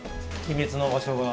秘密の場所が。